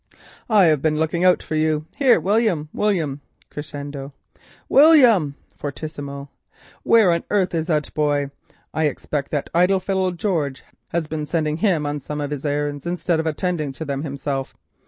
"I have been looking out for you. Here, William! William!" (crescendo), "William!" (fortissimo), "where on earth is the boy? I expect that idle fellow, George, has been sending him on some of his errands instead of attending to them himself.